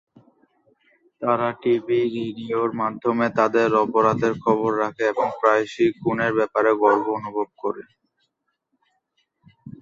তারা টিভি, রেডিওর মাধ্যমে তাদের অপরাধের খবর রাখে এবং প্রায়শই খুনের ব্যাপারে গর্ব অনুভব করে।